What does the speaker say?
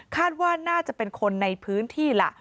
คาดว่าน่าจะเป็นคนในพื้นที่ล่ะ